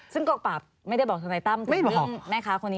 ซึ่งกองปาบไม่ได้บอกสนัยต้ำว่าแม่ขาคนนี้